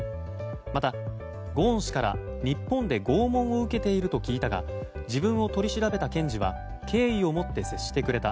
また、ゴーン氏から日本で拷問を受けていると聞いたが自分を取り調べた検事は敬意を持って接してくれた。